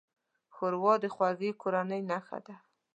ښوروا د خوږې کورنۍ نښه ده.